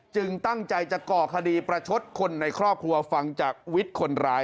ตั้งใจจะก่อคดีประชดคนในครอบครัวฟังจากวิทย์คนร้าย